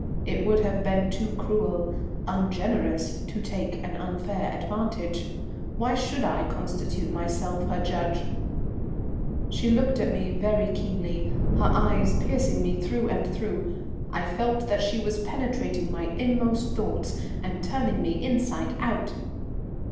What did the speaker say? It would have been too cruel, ungenerous, to take an unfair advantage. Why should I constitute myself her judge? She looked at me very keenly, her eyes piercing me through and through. I felt that she was penetrating my inmost thoughts and turning me inside out.